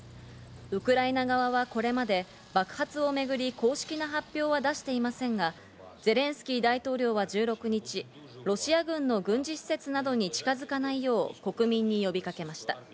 ウクライナ側はこれまで爆発をめぐり、公式な発表は出していませんが、ゼレンスキー大統領は１６日、ロシア軍の軍事施設などに近づかないよう国民に呼びかけました。